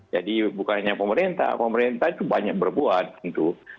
jadi bukannya pemerintah pemerintah itu banyak berbuat tentu